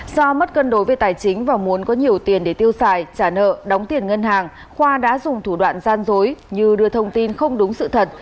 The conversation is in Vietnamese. do mất cân đối về tài chính và muốn có nhiều tiền để tiêu xài trả nợ đóng tiền ngân hàng khoa đã dùng thủ đoạn gian dối như đưa thông tin không đúng sự thật